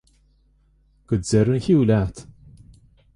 Go deireadh an chiú leat!